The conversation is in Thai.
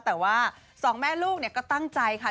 แต่ว่าสองแม่ลูกก็ตั้งใจค่ะ